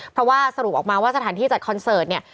เพราะว่าสรุปออกมาว่าสถานที่จัดคอนเสิร์ตเนี่ย